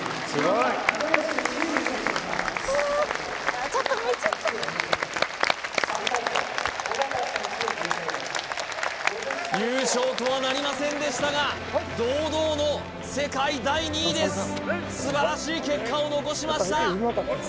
あちょっと泣いちゃった優勝とはなりませんでしたが堂々の世界第２位です素晴らしい結果を残しました